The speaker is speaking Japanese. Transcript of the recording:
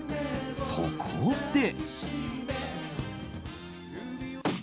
そこで。